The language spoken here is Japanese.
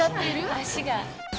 足が。